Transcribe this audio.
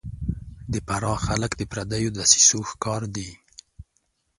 د فراه خلک د پردیو دسیسو ښکار دي